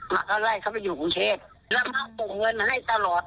มาก็ไล่เขาไปอยู่กรุงเทพแล้วมาส่งเงินมาให้ตลอด